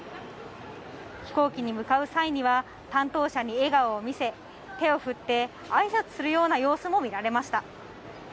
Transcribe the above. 飛行機に向かう際には担当者に笑顔を見せ、手を振って挨拶するような様子も見られました。